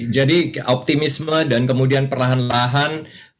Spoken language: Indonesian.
jadi optimisme dan kemudian perlahan lahan